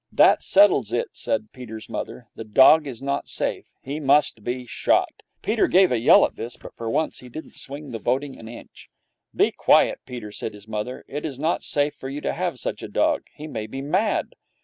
'That settles it!' said Peter's mother. 'The dog is not safe. He must be shot.' Peter gave a yell at this, but for once he didn't swing the voting an inch. 'Be quiet, Peter,' said his mother. 'It is not safe for you to have such a dog. He may be mad.'